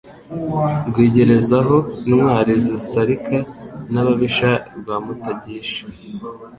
Rwigerezaho intwali zisarika n'ababisha rwa Mutagisha